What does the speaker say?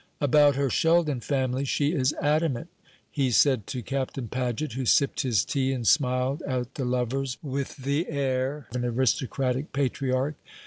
"About her Sheldon family she is adamant," he said to Captain Paget, who sipped his tea and smiled at the lovers with the air of an aristocratic patriarch.